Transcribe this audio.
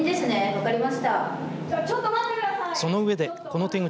分かりました。